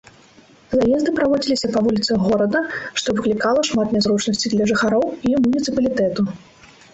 Заезды праводзіліся па вуліцах горада, што выклікала шмат нязручнасцей для жыхароў і муніцыпалітэту.